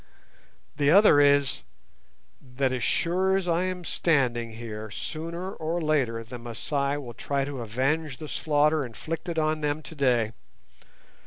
The other is, that as sure as I am standing here, sooner or later the Masai will try to avenge the slaughter inflicted on them today.